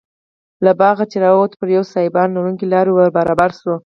له باغه چې راووتو پر یوې سایبان لرونکې لارې وربرابر شوو.